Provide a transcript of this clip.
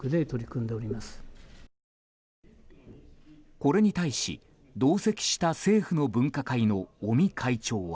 これに対し、同席した政府の分科会の尾身会長は。